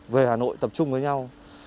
về hà nội tập trung với nhau